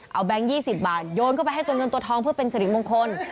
เอาแบงค์๒๐บาทโยนเข้าไปให้ตัวเงินตัวทองเพื่อเป็นสริมงคล